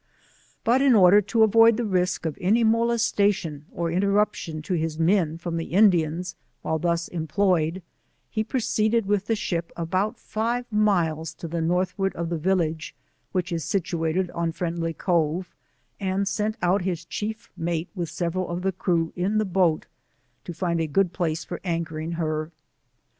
But in order to avoid the risque of any molestation or interruption to his men from the Indians, while thus employed, he proceeded with the ship about five miles to the Northward of the village, which is situated on Friendly Cove, and sent out his chief mate with several of the crew in the boat to find a good place for anchoring her.